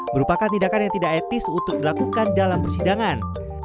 merupakan tindakan yang tidak etis untuk dilakukan dalam persidangan